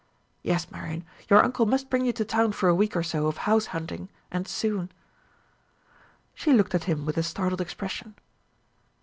Yes, Marian, your uncle must bring you to town for a week or so of house hunting, and soon." She looked at him with a startled expression.